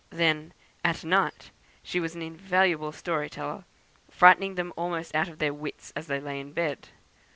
Then, at night, she was an invaluable story teller, frightening them almost out of their wits as they lay in bed.